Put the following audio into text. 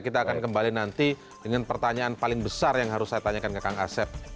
kita akan kembali nanti dengan pertanyaan paling besar yang harus saya tanyakan ke kang asep